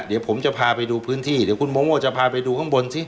เดี๋ยวผมจะพาไปดูพื้นที่เดี๋ยวคุณโมโม่จะพาไปดูข้างบนสิ